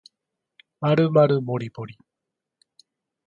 まるまるもりもり